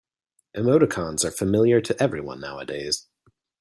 Emoticons are familiar to everyone nowadays.